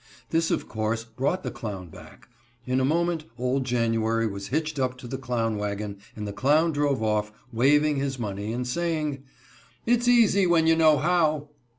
This, of course, brought the clown back. In a moment old January was hitched up to the clown wagon, and the clown drove off, waving his money and saying: "It's easy when you know how."